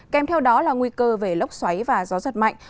kèm theo đó là nguy cơ về lốc xoáy và gió giật mạnh